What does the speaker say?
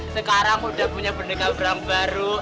sekarang udah punya benda kabram baru